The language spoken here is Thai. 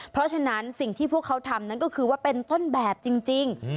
เพราะฉะนั้นสิ่งที่พวกเขาทำนั้นก็คือว่าเป็นต้นแบบจริง